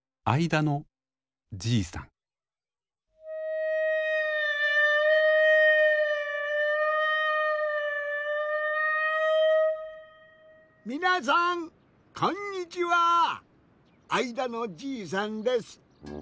あいだのじいさんです。